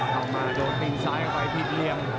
เข้ามาโดนทิ้งซ้ายไปทิ้งเรียง